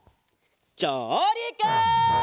じょうりく！